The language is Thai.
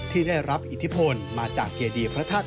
ที่ได้รับอิทธิพลมาจากเจดีพระธาตุ